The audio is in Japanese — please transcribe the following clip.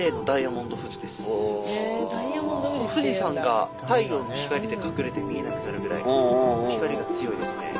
富士山が太陽の光で隠れて見えなくなるぐらい光が強いですね。